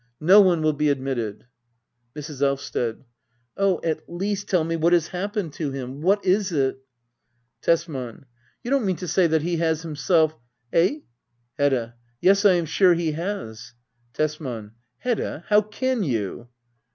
No one will be admitted. Mrs. Elvsted. Oh^ at least tell me what has happened to him ? What is it .> Tesman. You don't mean to say that he has himself Eh.> Hedda. Yes^ I am sure he has. Tesman. Hedda^ how can you